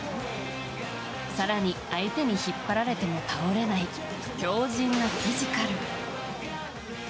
更に相手に引っ張られても倒れない強靭なフィジカル。